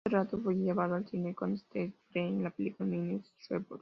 Este relato fue llevado al cine por Steven Spielberg en la película "Minority Report".